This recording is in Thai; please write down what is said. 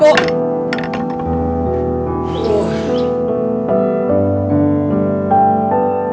เปิ๊บ